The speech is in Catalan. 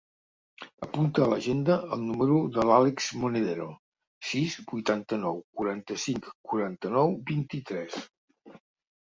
Apunta a l'agenda el número de l'Àlex Monedero: sis, vuitanta-nou, quaranta-cinc, quaranta-nou, vint-i-tres.